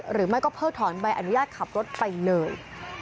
หรือไม่ก็เพิกถอนใบอนุญาตขับรถไปเลย